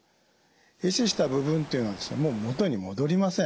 え死した部分というのはもう元に戻りません。